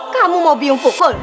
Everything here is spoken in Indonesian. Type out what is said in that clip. kamu mau biong pukul